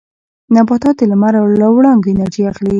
نباتات د لمر له وړانګو انرژي اخلي